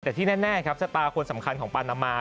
แต่ที่แน่ครับชะตาคนสำคัญของปานามา